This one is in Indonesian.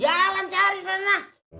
jalan cari sana